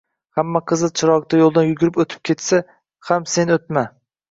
hamma qizil chiroqda yo‘ldan yugurib o‘tib ketsa ham sen o'tma.